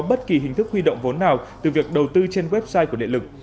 bất kỳ hình thức huy động vốn nào từ việc đầu tư trên website của địa lực